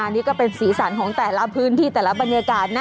นี่ก็เป็นสีสันของแต่ละพื้นที่แต่ละบรรยากาศนะ